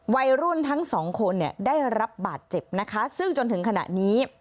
วัยรุ่นทั้งสองคนเนี่ยได้รับบาดเจ็บนะคะซึ่งจนถึงขณะนี้